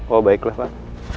oh baiklah pak